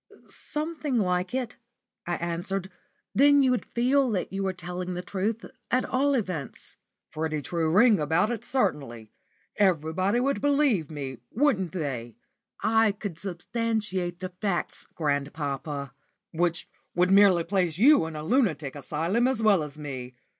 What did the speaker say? "Something like it," I answered. "Then you would feel that you were telling the truth, at all events." "Pretty true ring about it, certainly. Everybody would believe it, wouldn't they?" "I could substantiate the facts, grandpapa." "Which would merely place you in a lunatic asylum as well as me.